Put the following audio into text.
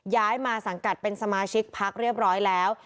ย้ายมาสังกัดเป็นสมาชิกพักเรียบร้อยแล้ว